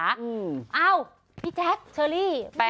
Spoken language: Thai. เอ้าพี่แจ๊คเชอรี่